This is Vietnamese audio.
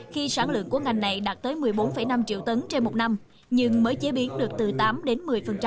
khi sản lượng của ngành này đạt tới một mươi bốn năm triệu tấn trên một năm nhưng mới chế biến được từ tám đến một mươi